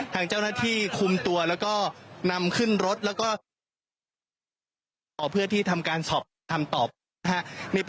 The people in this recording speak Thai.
ทางเจ้าระที่คุมตัวแล้วก็นำขึ้นรถและก็เยี่ยมมากขึ้นเนี่ย